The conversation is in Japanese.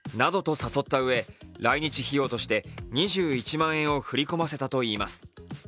誘ったうえ、来日費用として２１万円を振り込ませたといいます。